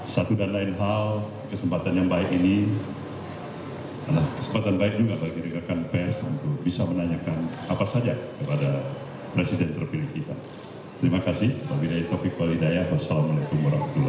satu dan lain hal kesempatan yang baik ini adalah kesempatan baik juga bagi rekan rekan psm